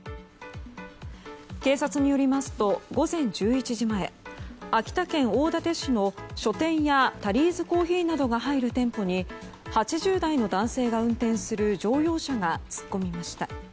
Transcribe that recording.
警察によりますと午前１１時前、秋田県大館市の書店やタリーズコーヒーなどが入る店舗に８０代の男性が運転する乗用車が突っ込みました。